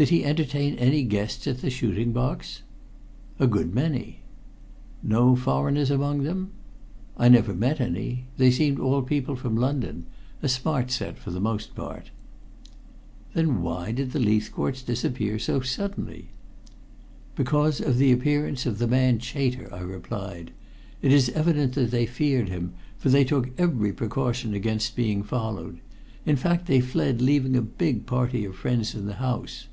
"Did he entertain any guests at the shooting box?" "A good many." "No foreigners among them?" "I never met any. They seemed all people from London a smart set for the most part." "Then why did the Leithcourts disappear so suddenly?" "Because of the appearance of the man Chater," I replied. "It is evident that they feared him, for they took every precaution against being followed. In fact, they fled leaving a big party of friends in the house.